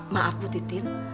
maaf bu titin